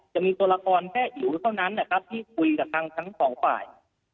จะมีตระกรแก้หิวเท่านั้นที่คุยกับทางทั้ง๒ฝ่าย